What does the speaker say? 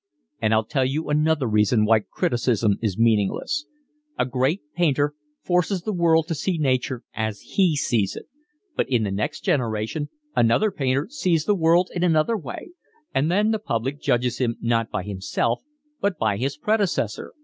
And I'll tell you another reason why criticism is meaningless: a great painter forces the world to see nature as he sees it; but in the next generation another painter sees the world in another way, and then the public judges him not by himself but by his predecessor.